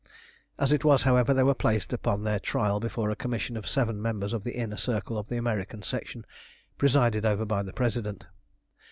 As it was, however, they were placed upon their trial before a Commission of seven members of the Inner Circle of the American Section, presided over by the President.